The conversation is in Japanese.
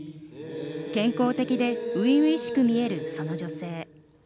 健康的で初々しく見えるその女性。